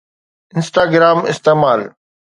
Instagram استعمال